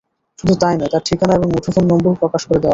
শুধু তাই নয়, তাঁর ঠিকানা এবং মুঠোফোন নম্বর প্রকাশ করে দেওয়া হয়।